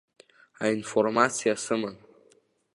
Аинформациа сымам.